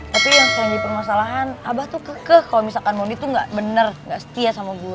tapi yang selain dipermasalahan abah tuh kekeh kalo misalkan mondi tuh gak bener gak setia sama gue